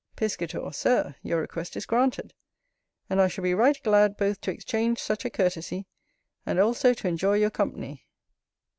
Piscator. Sir, your request is granted; and I shall be right glad both to exchange such a courtesy, and also to enjoy your company.